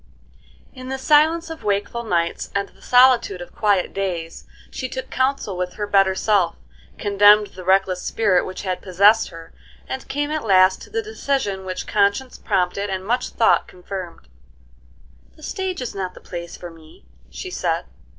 In the silence of wakeful nights and the solitude of quiet days, she took counsel with her better self, condemned the reckless spirit which had possessed her, and came at last to the decision which conscience prompted and much thought confirmed. "The stage is not the place for me," she said.